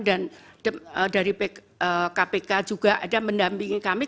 dan dari kpk juga ada mendampingi kami